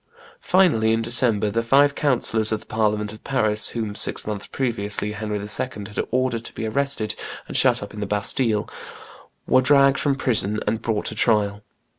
Finally, in December, the five councillors of the Parliament of Paris, whom, six months previously, Henry II. had ordered to be arrested and shut up in the Bastille, were dragged from prison and brought to trial.